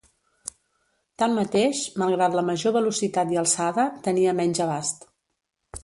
Tanmateix, malgrat la major velocitat i alçada, tenia menys abast.